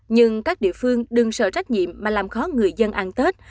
nhưng các địa phương đừng sợ trách nhiệm mà làm khó người dân ăn tết